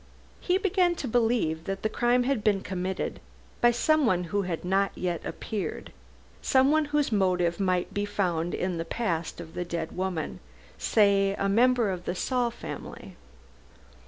He began to believe that the crime had been committed by someone who had not yet appeared someone whose motive might be found in the past of the dead woman. Say a member of the Saul family.